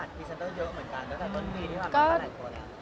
ตั้งแต่ต้นปีที่เรามาตั้งแต่ยากว่าเรา